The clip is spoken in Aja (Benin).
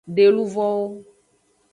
De luvowo.